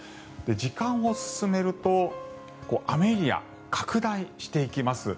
時間を進めると雨エリア、拡大していきます。